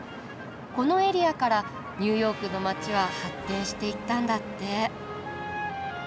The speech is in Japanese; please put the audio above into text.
このエリアからニューヨークの街は発展していったんだって。